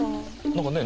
何かね